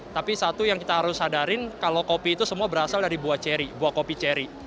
tapi satu yang kita harus sadarin kalau kopi itu semua berasal dari buah ceri buah kopi ceri